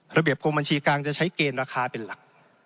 ระบบกรมบัญชีกลางจะใช้เกณฑ์ราคาเป็นหลัก